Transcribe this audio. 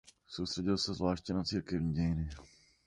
Soustředil se zvláště na církevní dějiny.